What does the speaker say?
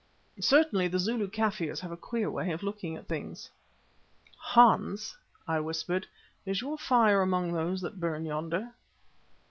Certainly the Zulu Kaffirs have a queer way of looking at things. "Hans," I whispered, "is your fire among those that burn yonder?"